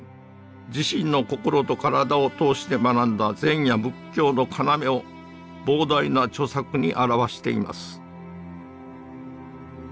自身の心と体を通して学んだ禅や仏教の要を膨大な著作に著しています